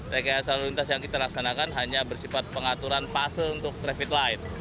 rekayasa lalu lintas yang kita laksanakan hanya bersifat pengaturan fase untuk traffic light